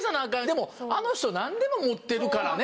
でもあの人何でも持ってるからねと。